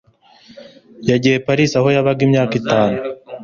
Yagiye i Paris, aho yabaga imyaka itanu